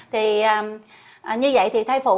thì như vậy thì thai phụ